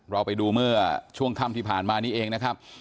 เราไปดูเมื่อช่วงค่ำที่ผ่านมานี้เองนะครับ